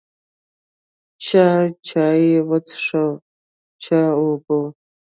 چا چای وڅښو، چا اوبه.